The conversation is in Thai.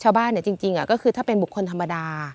จริงก็คือถ้าเป็นบุคคลธรรมดา